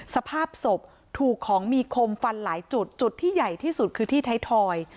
สภาพศพถูกของมีคมฟันหลายจุดจุดที่ใหญ่ที่สุดคือที่ไทยทอย